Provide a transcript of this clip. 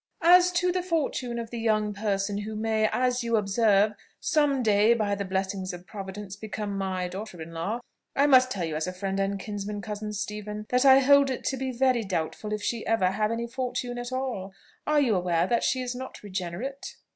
"As to the fortune of the young person who may, as you observe, some day by the blessing of Providence become my daughter in law, I must tell you as a friend and kinsman, cousin Stephen, that I hold it to be very doubtful if she ever have any fortune at all. Are you aware that she is not regenerate?"